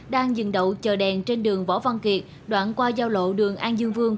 đang dừng đậu chờ đèn trên đường võ văn kiệt đoạn qua giao lộ đường an dương vương